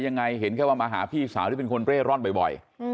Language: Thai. ยังไงเห็นแค่ว่ามาหาพี่สาวที่เป็นคนเร่ร่อนบ่อย